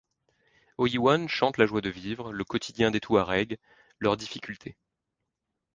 Oyiwan chante la joie de vivre, le quotidien des Touaregs, leurs difficultés.